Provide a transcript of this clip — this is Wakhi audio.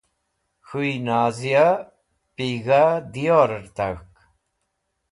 k̃huy nazia pig̃ha dyor takhk